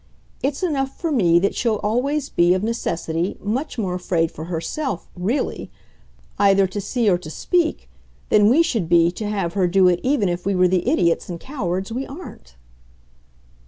It's enough for me that she'll always be, of necessity, much more afraid for herself, REALLY, either to see or to speak, than we should be to have her do it even if we were the idiots and cowards we aren't."